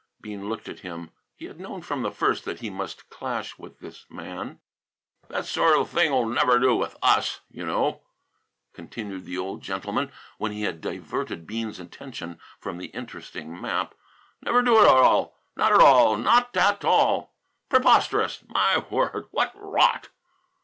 Bean looked at him. He had known from the first that he must clash with this man. "That sort of thing'll never do with us, you know," continued the old gentleman, when he had diverted Bean's attention from the interesting map. "Never do at all; not at all; not tat tall. Preposterous! My word! What rot!"